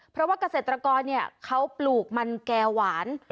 เพราะว่าเกษตรกรเขาปลูกมันแก่หวาน